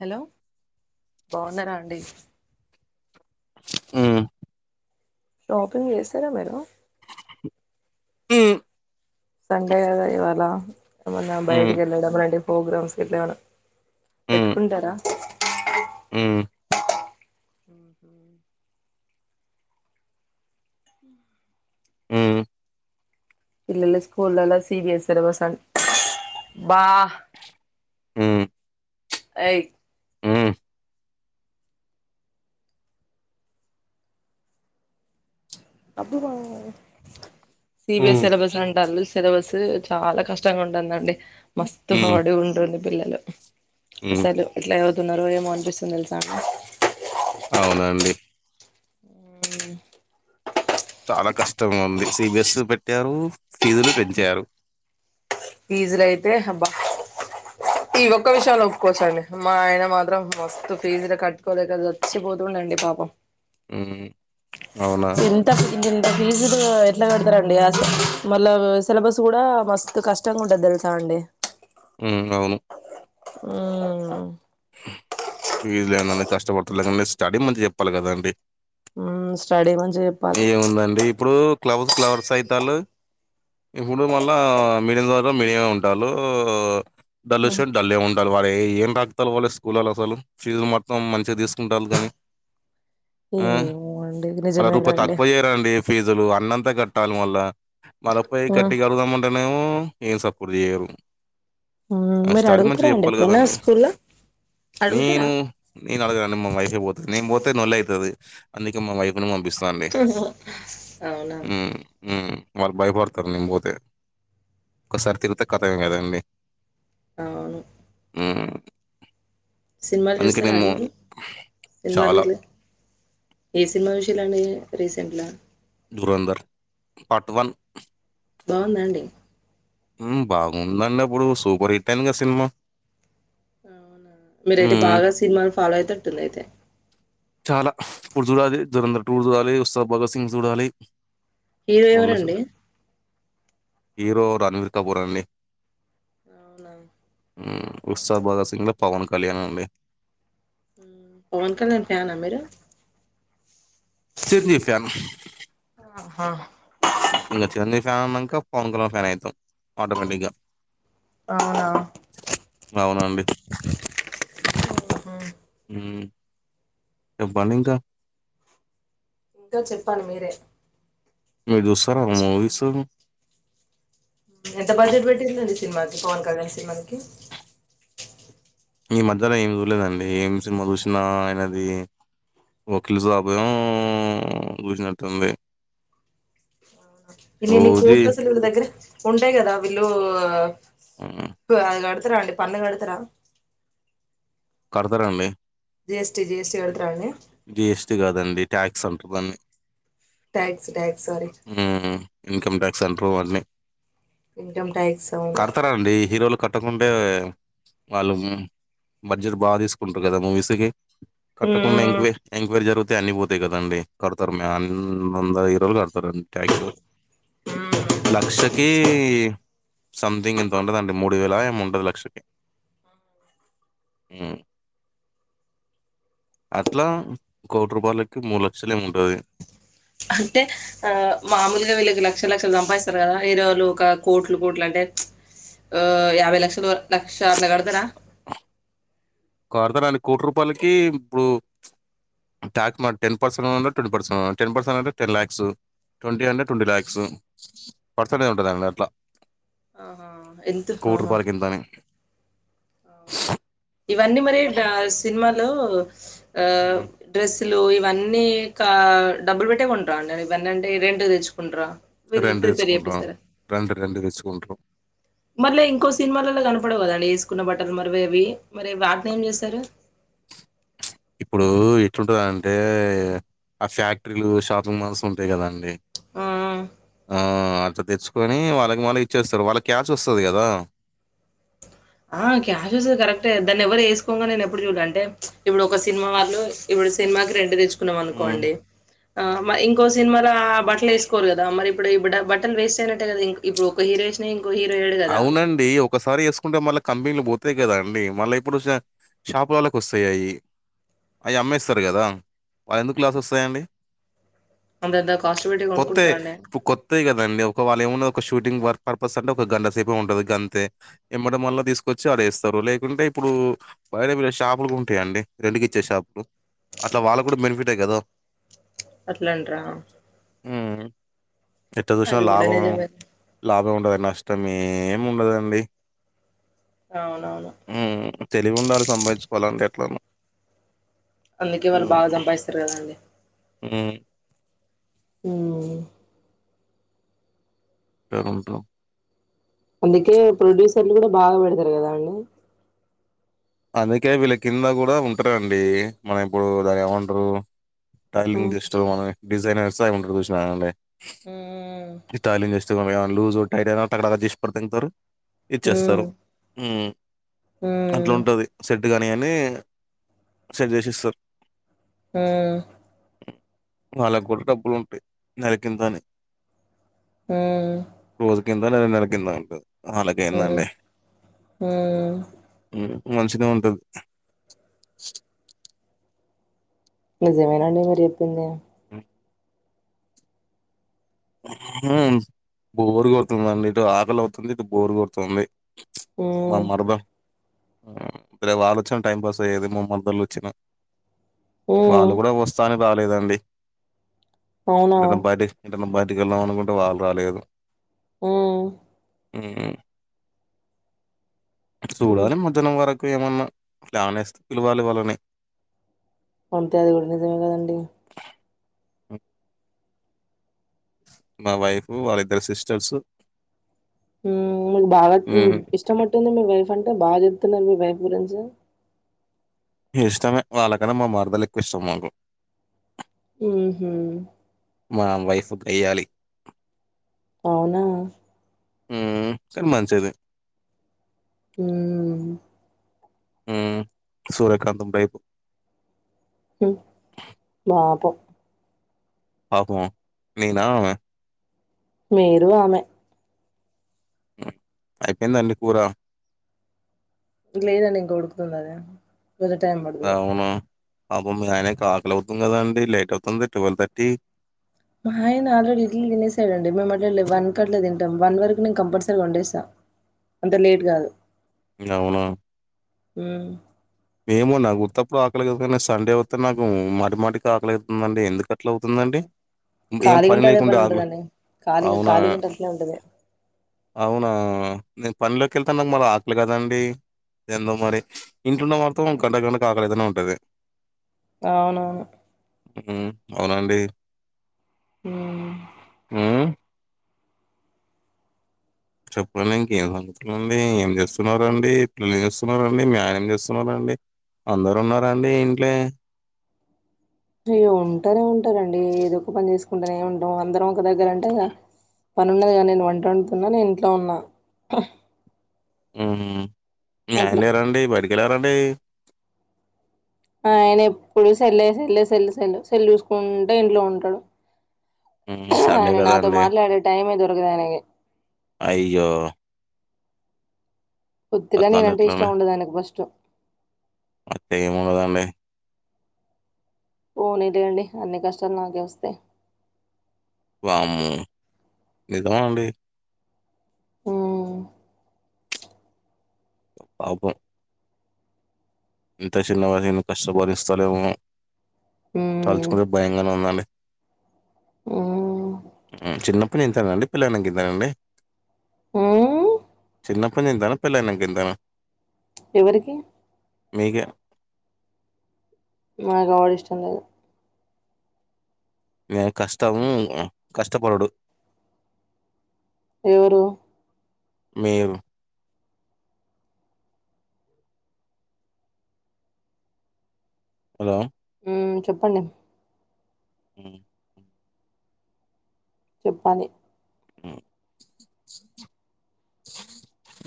Hello బాగున్నారా అండి ఉ షాపింగ్ చేస్తారా మీరు ఉ సండే కద ఇవాల ఏమన్నా హ్మ్. బయటకి వెళ్ళడ ఇలాంటి ప్రోగ్రామ్స్ ఎట్లా ఏమన్నా పెట్టుకుంటారా? ఉ ఉ పిల్లల స్కూల్ లలో సి బి ఎస్ సబస్ అంట బా హ్మ్. హ్మ్. అయి హ్మ్. అప్పుడు వా సి బి ఎస్ సిలబస్ ఉంటారు సిలబస్ చాలా కష్టంగా ఉంటుందండి. మస్తు హ్మ్. హడు ఉంటంది పిల్లలు హ్మ్. సలు ఎట్లా తున్నారో ఏమో అనిపిస్తుంది తెలుసా. అవునండి ఉ చాలా కష్టం ఉంది సి బి ఎస్ పెట్టారు ఫీజులు పెంచారు ఫీజులు అయితే అబ్బా ఇవ ఒక్క విషయాంలో ఒప్పుకోవసండి మా ఆయన మాత్రం మస్తు ఫీజ్లా కట్టుకోలేక చచ్చిపోతుండండి పాపం ఉ అవునా ఇంత ఇంతింత ఫీజు ఎట్లా పెడతారండి మళ్ళ సిలబార్స్ కూడా మస్తు కష్ ష్టం ఉంటాది తెలుసా అండి ఉ అవును ఉ ఫీజు లేని కష్టపడతలేక స్టడీ మంచిగా చెప్పాలి కదాండి. ఉ స్టడ మ ఏముందండి ఇప్పుడు క్లవ్స్ క్లవర్స్ అయితాలు ఇప్పుడు మళ్ళా మీడిల్ వాలు మీడియమ ఉంటారు. డల్లర్స్ డాళ్లే ఉంటారు వాళ్ళు అ ఏం తగతా వాళ్లే స్కూల్లో అసలు ఫీజులు మొత్తం మంచిగా తీసుకుంటారు కానీ. ఏమే మొండి మళ్ళ రూపాయి తక్కువ చేయ్యారంండి ఫీజులు అన్నంతా అట్లా కట్టాలి మాల్ల మలపైయి మ్మ్ గట్టిగా అడుగుదామంటే నేమో ఎమ్ సప్పుడు చేయు మ్మ్ ఆ మీరు స్టడీ మంచిగా అడుగుతారా అండి చెప్పాలి ఎప్పుడైనా కదండి. స్కూల్లో అడుగుతారా నేను నేను అడగండి మా వైఫే పోతుది. నేను పోతే లొల్లి అవుతుది అందికే మా వైఫ్ నేను పంపిస్తా అవునా హ్మ్. హ్మ్. వాళ్ళు బయపడతారు నేను పోతే ఒకసారి తిరుగుత కథవిన్నలేదండీ అవును హ్మ్ సినిమాలు అందుకేనేమో చూస్తారండి. సినిమలు చాలా గిట్ల, ఏ సినిమా చుస్ రండి రీసెంట్ గా దురంధర్ పార్ట్ వన్ బాగుందాండి బాగుందండి అప్పుడు సూపర్ హిట్ అయిందిగా సినిమా. మీరైతే హ్మ్. బాగా సినిమాల్ పదై తటటుంది అయితే చాలా ఇప్పుడు చూడాలి దూరంధర్ టూ చూడాలి. ఉత్సాద్ భగత్ సింగ్ చూడాలి హీరో రెండు సి ఎవరండీ హీరో రణవీర్ కపూర్ అండి అవునా ఉస్తాద్ భగత్ సింగ్ లో పవన్ కళ్యాణండి పవన్ కళ్యాణ్ ఫ్యాన్ ఆ మీరు. చిరంజీవి ఫ్యాన్. ఆహా ఇంకా చిరంజీవి ఫ్యాన్ అన్నాక పవన్ కల్యాణ్ ఫ్యాన్ అయితాం ఆటోమేటిక్గా అవునా అవునండి హ్మ్. హమ్ చెప్పండి ఇంకా ఇంకా చెప్పాలి మీరే మీరు చూస్తారా మూవీస్ ఎంత బడ్జెట్ పెట్టిందండి సినిమాకి పవన్ కళ్యాణ్ సినిమాకి ఈ మధ్యలో ఏమి చూలేదండి ఏం సినిమా చూసినా ఆయనది వకీల్ సాబ్ ఊ చూసినట్టుంది ఇన్ని ఇన్ని 'ఓజీ' కోట్లసలు విల్ల దగ్గర ఉంటాయి కదా విలు అ హ్మ్. కడతార కడతారా అండి పన్ను కడతారా కడతారంది G S T, G S T, కడతారండీ జీ ఎస్ టి, కాదండి ట్యాక్స్ అంటరు దాని ట్యాక్స్ ట్యాక్ ఉ ఇన్కమ్ ట్యాక్ సన్ రూ అన్ని ఇన్కమ్ ట్యాక్స్ అవును హీరోలు కట్టకుంటే వాళ్ళు బడ్జెట్ బాగా తీసుకుంటారు కదా మూవీస్కి కట్టుకున్న హ్మ్. ఎంక్వైరీ ఎంక్వైరీ జరుగు అన్ని పోతాయి కదండి కడతర్ అందరూ హీరోలు కడ తరు ట్యాక్స్ హ్మ్. లక్షకి సమ్థింగ్ ఎంతో ఉంటదండి మూడు వేల ఏమో ఉంటది లక్షకి ఉ అట్లా కోటి రూపాయలకి మూడు లక్షలేమో ఉంటది అంటే ఆ మామూలుగా వీళ్ళకి లక్ష లక్షలు సంపాదిస్తారు కదా హీరోలు ఒక కోట్లు కోట్లు అంటే ఆ యాభై లక్షలు లక్ష అట్లా కడతారా కడతారండి కోటి రూపాయలకి ఇప్పుడు ట్యాక్ టెన్ పర్సెంట్ ఉంటే ట్వంటీ పర్సెంట్ టెన్ పర్సెంట్ అంటే టెన్ ల్యాక్స్ ట్వంటీ అంటే ట్వంటీ ల్యాక్స్ పర్సెంటేజ్ ఉంటదండి అట్లా ఆహా ఎంత రూ. ఆహా ఇంతని. అవునా ఇవన్నీ మరి దా సినిమా లో ఆ హ్మ్. డ్రెస్ లు ఇవన్నీ కా డబ్బులు పెట్టే కొంటారా అండి ఇవన్న అంటే రెంట్ తెచ్చుకుంటరా వీళ్ళు రెంట్ తీసుకుంటరు రెంటు రెంట్ తీసుకుంటరు మళ్ళీ ఇంకో సినిమాలలో కనపడవు కదండి వేసుకున్న బట్టలు మరి ఇవి మరి వాటిని ఏం చేస్తారు ఇప్పుడు ఎట్లుంటది అంటే ఆ ఫ్యాక్టరీలు షాపింగ్ మాల్స్ ఉంటాయి కదాండి ఆ ఆ ఆ అట్లా తెచ్చుకొని వాళ్ళకి మళ్ళీ ఇచ్చేస్తారు వాళ్ళకి క్యాచ్ వస్తది కదా ఆ క్యాష్ వసేది కరెక్టే దాన్ని ఎవరు వేసుకోగా నేను ఎప్పుడు చూడలే అంటే ఇప్పుడు ఒక సినిమా వాళ్ళు ఇప్పుడు సినిమాకి రెంటు తెచ్చు కున్నాం హ్మ్. అనుకోండి ఆ మరి ఇంకో సినిమాలో ఆ బట్టలు వేసుకోరు కదా మరి ఇప్పుడు బట్టలు వేస్ట్ అయినట్టే కదా ఇప్పుడు ఒక హీరో వేసినాం అవునండి ఒకసారి ఏసుకు కుంటే మళ్ళీ కంపెనీలు పోతాయి కదా అండి మళ్ళీ ఇప్పుడు షాపు వాళ్ళకు వస్తాయి అవి అమ్మేస్తారు కదా వాళ్ళు ఎందుకు లాస్ వస్తాయండి అంతంత కాస్ట్ పెట్టి కొత్త కొనుక్కుంటాండే. ఇప్పుడు కొత్తయి కదండి ఒకవేళ ఏమన్న షూటింగ్ వర్క్ పర్పస్ అంటే ఒక గంటసేపు ఉంటది గంతే ఎమ్మడం మళ్ళ తీసుకొచ్చి అడేస్తారు లేకుంటే ఇప్పుడు బయటళ్ళే షాపులు ఉంటాయండి రెంటుకు ఇచ్చే షాపులు అట్లా వాళ్ళకు కూడా బెనిఫిటే కదా అట్లంటరా ఎటు చూసినా అది గూడా లాభం నిజమే. లాభం ఏ నష్ తమేం ఉండదండి అవునవును. మ్మ్ తెలివి ఉండాలి సంబదించుకోవాలంటే [unintelligible] అందుకే వాళ్ళు బాగా సంపాదిస్తారు కదండి హ్మ్. హ్మ్ వెల్కం టు అందుకే ప్రొడ్యూసర్లు కూడా బాగా పెడతారు కదా అండి అందుకే వీళ్ల కింద కూడా ఉన్ [unintelligible] అండి మనం ఇప్పుడు దాన్ ఏవంటారు టైల్రింగ్ హ్మ్. జస్ట్ మనమే డిజైనర్స సగం చేసిన అమే హ్మ్ సిగమయ్య లూజు, టైటైనా టక టక దీస్ పార్ [unintelligible] ఇచ్చేస్తారు హ్మ్. హ్మ్ ఇట్లా హ్మ్. ఉంటది సెట్ గానీ అన్నీ సెండ్ జేసిస్తరు హ్మ్ వాళ్ళగుడ డబ్బులుంటాయి నెలకింతని. హ్మ్ కింద లేదంటే నెలకింద అన్ హ్మ్ హ్మ్మ్ హ్మ్ మంచిగ ఉంటది నిజమేనండి మీర్ జెప్పింది హ్మ్ బోరు కొడుతుందండి ఇటు ఆకలి అవుతుంది ఇటు బోర్ కొడుతుంది. మా హ్మ్ మరద రహ్మ్ వాళ్ళొచ్చిన టైం పాస్ అయ్యేది మ మరదళ్ ఒచ్చిన హ్మ్ వాళ్ళు కూడ వస్త రాలేదండి అవునా అంటే నే బాద్ బైటికెళ్దాం అనుకుంటే వాళ్ళు రాలేదు ఓ హమ్ హ్మ్ సూడాలి మధ్యనామ్ వరకు ఏమన్నా ప్లానెస్తే పిలవాలి వాళ్ళని అంతే అది కూడా నిజమే కదండి. ఆ మా వైఫు వాళ్ళిద్దరి సిస్టర్స్ ఊ, మీక్ బాగా ఊ హ్మ్. ఇష్టమట్టుంది మీ వైఫ్ అంటే బా చెప్తున్నారు, మీ వైఫ్ గురించి. ఇష్టమే. వాళ్ళకన్నా మా మర్దలు ఎక్కువ ఇష్టం నాకు ఊహు మా వైఫ్ గయ్యాలి ఔనా? ఊ, కాని మంచిది. ఊ ఊ సూర్యకాంతం టైప్ బాపం పాపమా, నేనా? ఆమ? మీరు ఆమె అయిపోయింద అండి కూర లేదండి ఇంక ఉడుకుతుంది అదే కొద్దిగా టైం పడతాది అవును. పాపం మీ ఆయనకి ఆకలి అవుతుంది కదండీ లేట్ అవుతుంది ట్వెల్వ్ థర్టీ మా ఆయన ఆల్రెడీ ఇట్లీ తినేసాడండి మేము వన్ కట్ల తింటాం వన్ వరకు నేను కంపల్సరీగా వండేస్తా అంత లేట్ కాదు అవునా హు ఏమో నాకు ఉత్తప్పుడు ఆకలయదు కానీ సండే వస్త నాకు మాటి మాటికి ఆకలైతుందండి ఎందుకు ఖాళీగా ఉంటే అదే లేకుండా పని ఆకలి ఉంటదండి కాళీగా అవునా? కాళీగుంటె అట్లే ఉంటది అవునా నేను పనిలోకి వెళ్తా నాకు మరి ఆకలి కదండి ఎందో మరి ఇంట్లో ఉన్న మాత్రం గంట గంట కి ఆకలవుతూనే ఉంటది అవునవును హు అవునండి హు హ్మ్. చెప్పలేండి ఇంకేం సంగతుల అండి ఏం చేస్తున్నారండి పిల్లం చేస్తున్నారండి మీ ఆయన ఏం చేస్తున్నారండి అందరు ఉన్నాండి ఇంట్లే అయ్య ఉంటానే ఉంటారండి ఏదో ఒక పని చేసుకు చకుంటేనే ఉంటాం అందరం ఒక దగ్గర అంటే పని ఉన్నది కద నేను వంట వండుతున్నా నేను ఇంట్లో ఉన్నా ఊహ మీ ఆయన అట్లా లేరండి బయటికి వెళ్లారా అంటే ఆ ఆయన ఎప్పుడు సల్లే సల్లే సల్లే సెల్ చూసుకుంటు ఇంట్లో ఉంటాడు హ్మ్. సండే అవున నాతో కదండీ! మాట్లాడే టైమే దొరకదు ఆయనకి అయ్యో! బొత్తిగా అట్లంటే నేనంటే ఇష్టం ఎట్లండి? ఉండదండి ఫస్ట్ అయితే ఏముండదండి. పోనీ లే అండి అన్ని కష్టాలు నాకే వస్తాయి వామ్మో నిజమా అండి ఆ పాపం ఇంత చిన్న వయసులో ఎన్ని కష్టాలుస్తాలేమో ఉమ్ తలుచుకుం భయంగానే ఉందండి ఉమ్ చిన్నప్ప ఇంతేనా అండి పెళ్లఅయినంక ఇంతేనా అండి హ్మ్ చిన్నప్పటి ఇంతేనా పెళ్ళనంక ఇంతేనా ఎవరికి మీకే మాకు ఆవిడ ఇష్టం లేదు. మేము కష్టం కష్టపడుడు ఎవరు మీరు హలో హ్మ్ చెప్పండి హ్మ్ చెప్పాలి హ్మ్.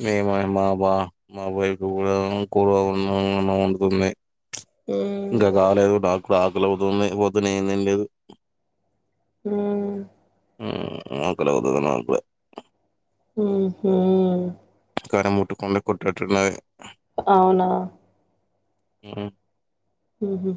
మేము మా బా మాబైపు కూడా కూర ఉ [unintelligible] ఉంటుంది హ్మ్ ఇంకా కాలేదు నాక్కూడా ఆక్ లవుతుంది పొద్దునేం తిన్లేదు. హ్మ్ హ్మ్ ఆకలవుతాది నాగ్గుడా హ్మ్ హు కారం ముట్టుకు కొట్టట్టున్నారె అవునా హ్మ్ హ్మ్ హు